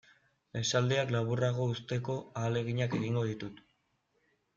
Esaldiak laburrago uzteko ahaleginak egingo ditut.